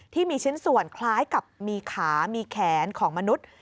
ที่มีชิ้นส่วนคล้ายกับมีขามีแขนของมนุษย์